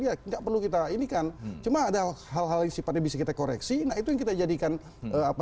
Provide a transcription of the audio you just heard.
ya nggak perlu kita ini kan cuma ada hal hal yang sifatnya bisa kita koreksi nah itu yang kita jadikan apa